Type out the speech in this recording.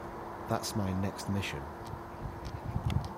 That's my next mission.